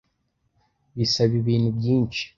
bisaba ibintu byinshi